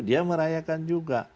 dia merayakan juga